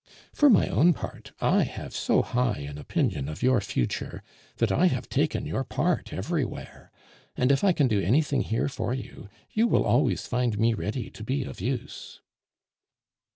For my own part, I have so high an opinion of your future, that I have taken your part everywhere; and if I can do anything here for you, you will always find me ready to be of use."